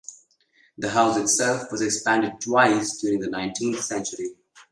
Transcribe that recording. The house itself was expanded twice during the nineteenth century.